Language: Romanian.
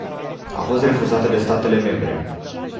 A fost refuzată de statele membre.